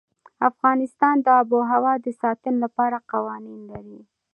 افغانستان د آب وهوا د ساتنې لپاره قوانین لري.